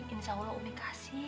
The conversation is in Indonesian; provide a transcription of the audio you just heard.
insya allah umi kasih